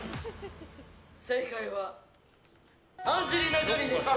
正解はアンジェリーナ・ジョリーでした。